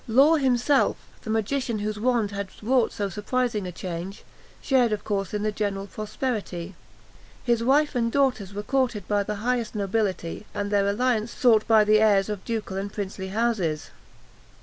Law himself, the magician whose wand had wrought so surprising a change, shared, of course, in the general prosperity. His wife and daughter were courted by the highest nobility, and their alliance sought by the heirs of ducal and princely houses.